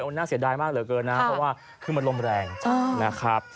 น่าเสียดายมากเหลือเกินนะเพราะว่าคือมันลมแรงนะครับ